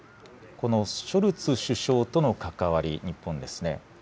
このショルツ首相との関わり、日本ですね。